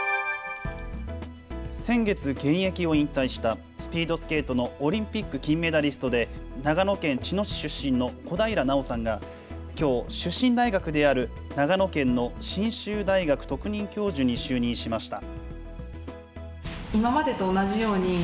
先月、現役を引退したスピードスケートのオリンピック金メダリストで長野県茅野市出身の小平奈緒さんがきょう、出身大学である長野県の信州大学特任教授に就任しました。